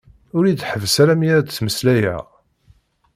Ur yi-d-ḥebbes ara mi ara d-ttmeslayeɣ.